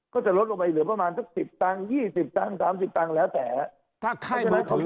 ก็จะลดลงไปเหลือประมาณสัก๑๐ตังค์๒๐ตังค์๓๐ตังค์แล้วแต่ครับ